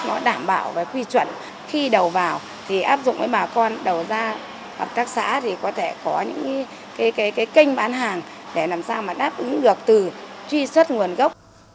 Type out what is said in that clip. nó đảm bảo về quy chuẩn khi đầu vào thì áp dụng với bà con đầu ra hợp tác xã thì có thể có những cái kênh bán hàng để làm sao mà đáp ứng được từ truy xuất nguồn gốc